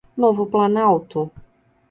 Novo Planalto